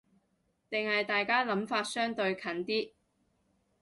定係大家諗法相對近啲